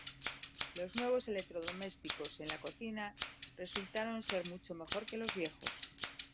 Los nuevos electrodomésticos en la cocina resultaron ser mucho mejor que los viejos.